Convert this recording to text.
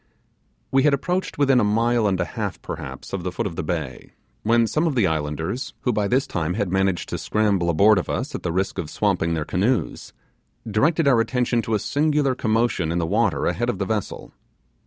We had approached within a mile and a half perhaps of this foot of the bay, when some of the islanders, who by this time had managed to scramble aboard of us at the risk of swamping their canoes, directed our attention to a singular commotion in the water ahead of the vessel.